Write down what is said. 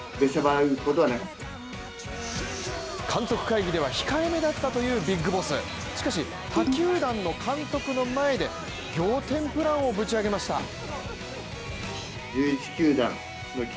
監督会議では控えめだったというビッグボスしかし、他球団の監督の前で仰天プランをぶち上げました。